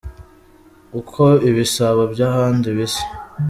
uko ibisabo byahandi bisa